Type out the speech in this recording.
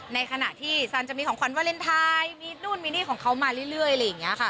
ในขณะที่ซันจะมีของขวัญวาเลนไทยมีนู่นมีนี่ของเขามาเรื่อยอะไรอย่างนี้ค่ะ